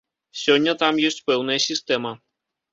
Сёння там ёсць пэўная сістэма.